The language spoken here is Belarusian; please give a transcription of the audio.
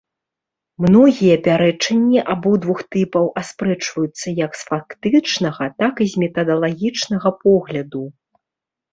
Многія пярэчанні абодвух тыпаў аспрэчваюцца як з фактычнага, так і з метадалагічнага погляду.